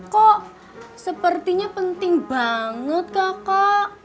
kok sepertinya penting banget kakak